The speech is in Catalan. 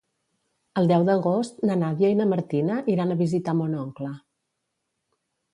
El deu d'agost na Nàdia i na Martina iran a visitar mon oncle.